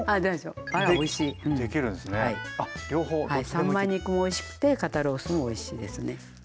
３枚肉もおいしくて肩ロースもおいしいですね。